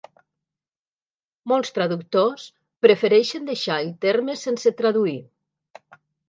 Molts traductors prefereixen deixar el terme sense traduir.